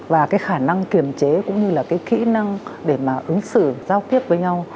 và cái khả năng kiểm chế cũng như là cái kỹ năng để mà ứng xử giao tiếp với nhau